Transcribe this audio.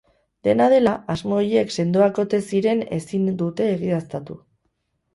Dena dela, asmo horiek sendoak ote ziren ezin izan dute egiaztatu.